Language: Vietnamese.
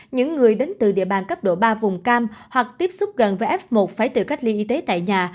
những người đến từ địa bàn cấp độ ba vùng cam hoặc tiếp xúc gần với f một phải tự cách ly y tế tại nhà